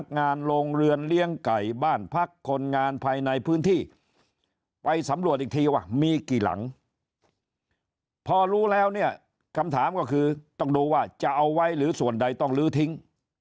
งานภายในพื้นที่ไปสำรวจอีกทีวะมีกี่หลังพอรู้แล้วเนี่ยคำถามก็คือต้องดูว่าจะเอาไว้หรือส่วนใดต้องลื้อทิ้ง